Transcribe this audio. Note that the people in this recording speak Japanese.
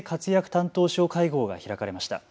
担当相会合が開かれました。